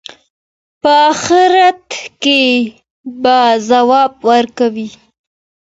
په آخرت کې به ځواب ورکوئ.